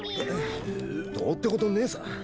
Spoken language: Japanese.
どうってことねえさ。